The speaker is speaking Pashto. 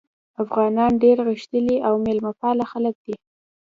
افغانان ډېر غښتلي او میلمه پاله خلک دي.